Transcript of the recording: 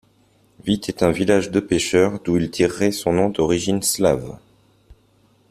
Vitt est un village de pêcheurs, d'où il tirerait son nom d'origine slave.